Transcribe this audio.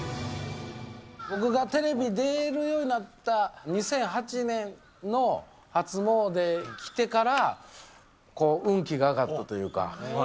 僕がテレビ出るようになった２００８年の初詣来てから、運気が上がったというか。